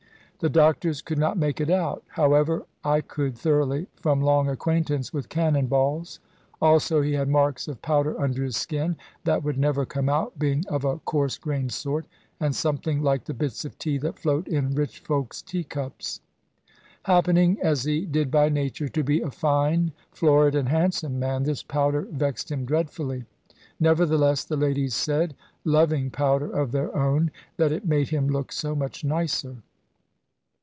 The doctors could not make it out: however, I could thoroughly, from long acquaintance with cannon balls. Also he had marks of powder under his skin, that would never come out, being of a coarse grained sort, and something like the bits of tea that float in rich folks' tea cups. Happening, as he did by nature, to be a fine, florid, and handsome man, this powder vexed him dreadfully. Nevertheless the ladies said, loving powder of their own, that it made him look so much nicer.